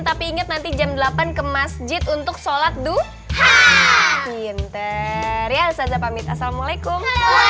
tapi inget nanti jam delapan ke masjid untuk sholat duha pinter ya saja pamit assalamualaikum